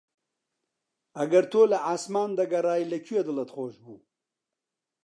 ئەگەر تۆ لە عاسمان دەگەڕای لە کوێ دڵت خۆش بوو؟